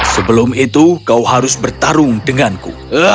sebelum itu kau harus bertarung denganku